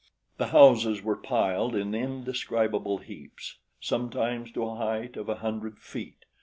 The houses were piled in indescribable heaps, sometimes to a height of a hundred feet.